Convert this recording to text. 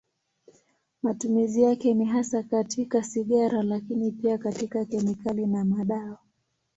Matumizi yake ni hasa katika sigara, lakini pia katika kemikali na madawa.